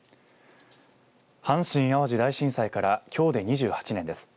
阪神・淡路大震災からきょうで２８年です。